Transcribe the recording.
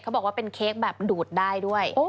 บอกว่าเป็นเค้กแบบดูดได้ด้วย